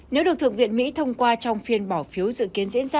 nếu được thượng viện mỹ thông qua trong phiên bỏ phiếu dự kiến diễn ra